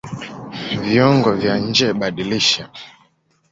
Viungo vya njeBadilisha